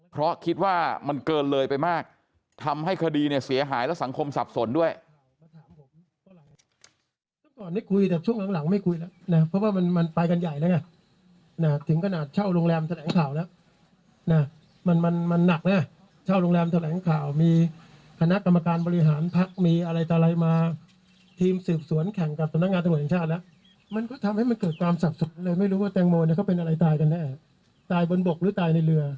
เพราะคิดว่ามันเกินเลยไปมากทำให้คดีเนี่ยเสียหายและสังคมสับสนด้วย